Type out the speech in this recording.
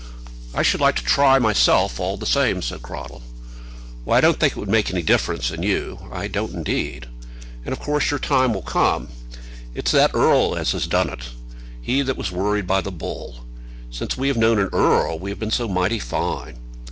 "I should like to try, myself, all the same," said Cradell. "Well, I don't think it would make any difference in you; I don't indeed. And of course your time will come too. It's that earl as has done it, he that was worried by the bull. Since we have known an earl we have been so mighty fine."